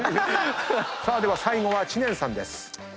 では最後は知念さんです。